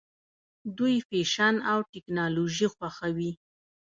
دوی فیشن او ټیکنالوژي خوښوي.